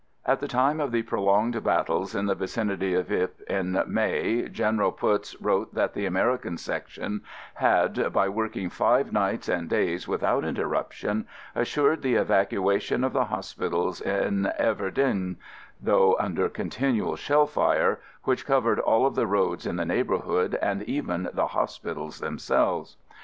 At the time of the prolonged bat tles in the vicinity of Ypres in May, Gen eral Putz wrote that the American Section had, by working five nights and days with out interruption, assured the evacuation of the hospitals in Everdinghe, though under continual shell fire which covered all of the roads in the neighborhood and even the hospitals themselves.